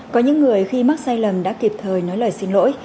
có những người khi mắc sai lầm đã kịp thời nói lời xin lỗi